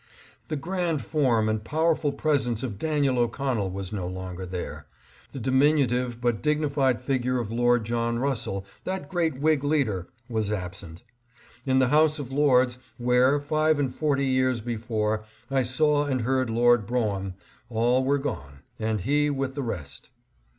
The grand form and powerful presence of Daniel O'Connell was no longer there. The diminutive but dignified figure of Lord John Russell, that great Whig leader, was absent. In the House of Lords, where, five and forty years before, I saw and heard Lord Brougham, all were gone, and he with the rest.